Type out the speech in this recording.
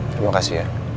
terima kasih ya